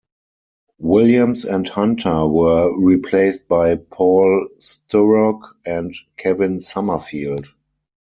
Williams and Hunter were replaced by Paul Sturrock and Kevin Summerfield.